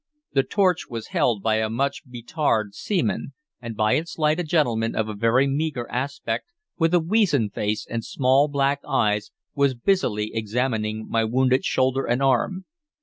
The torch was held by a much betarred seaman, and by its light a gentleman of a very meagre aspect, with a weazen face and small black eyes, was busily examining my wounded shoulder and arm.